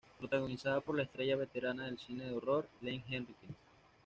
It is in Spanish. Protagonizada por la estrella veterana del cine de horror, Lance Henriksen.